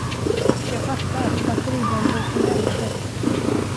Jag fattar, batteribomber från helvetet.